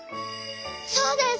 そうです！